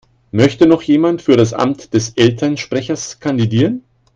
Möchte noch jemand für das Amt des Elternsprechers kandidieren?